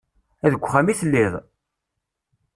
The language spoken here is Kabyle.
Deg uxxam i telliḍ?